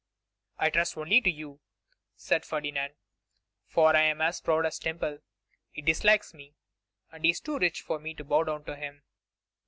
'I trust only to you,' said Ferdinand; 'for I am as proud as Temple. He dislikes me, and he is too rich for me to bow down to him.